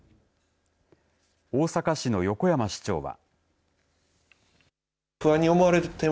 大阪市の横山市長は。